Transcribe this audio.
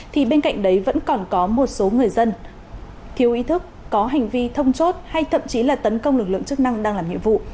thì bên cạnh đấy vẫn còn có một số người dân thiếu ý thức có hành vi thông chốt hay thậm chí là tấn công lực lượng chức năng đang làm nhiệm vụ